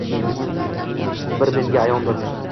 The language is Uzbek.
Bir menga ayondir